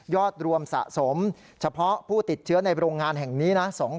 รวมสะสมเฉพาะผู้ติดเชื้อในโรงงานแห่งนี้นะ